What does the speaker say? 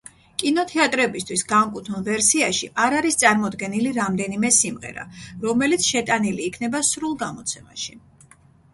კინოთეატრებისთვის განკუთვნილ ვერსიაში არ არის წარმოდგენილი რამდენიმე სიმღერა, რომელიც შეტანილი იქნება სრულ გამოცემაში.